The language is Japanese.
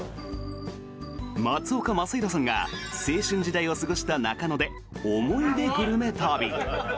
松岡昌宏さんが青春時代を過ごした中野で思い出グルメ旅。